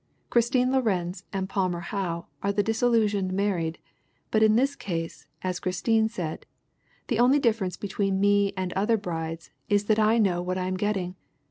Christine Lorenz and Palmer Howe are the disillusioned mar ried ; but in this case, as Christine said : 'The only difference between me and other brides is that I know what I'm getting.